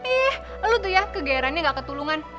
eh eh eh lo tuh ya kegairannya gak ketulungan